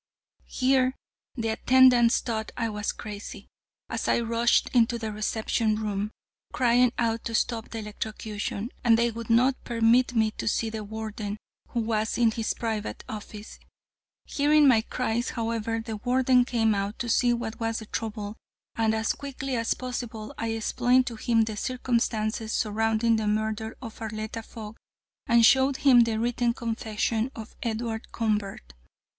"Here the attendants thought I was crazy, as I rushed into the reception room, crying out to stop the electrocution, and they would not permit me to see the Warden, who was in his private office. Hearing my cries, however, the Warden came out to see what was the trouble, and as quickly as possible I explained to him the circumstances surrounding the murder of Arletta Fogg, and showed him the written confession of Edward Convert.